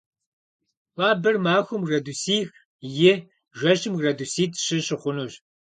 Хуабэр махуэм градусих – и, жэщым градуситӏ - щы щыхъунущ.